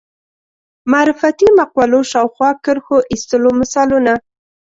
معرفتي مقولو شاوخوا کرښو ایستلو مثالونه